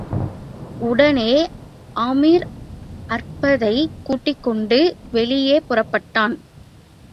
உடனே ஆமிர், அர்பதைக் கூட்டிக் கொண்டு வெளியே புறப்பட்டான்.